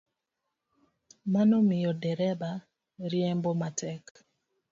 Mano miyo dereba riembo matek